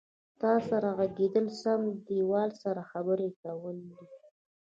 تا سره غږېدل سم دیواله سره خبرې کول دي.